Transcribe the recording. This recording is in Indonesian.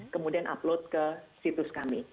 kemudian upload ke situs kami